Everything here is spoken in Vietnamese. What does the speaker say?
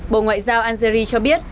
bộ ngoại giao algeria cho biết